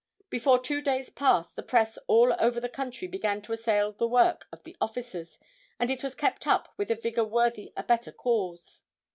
Before two days passed the press all over the country began to assail the work of the officers, and it was kept up with a vigor worthy a better cause.